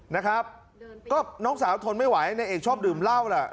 นะครับก็น้องสาวทนไม่ไหวนายเอกชอบดื่มเหล้าแหละ